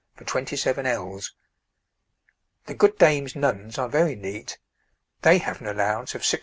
for 27 ells. The good dame's nuns are very neat; they have an allowance of 6s.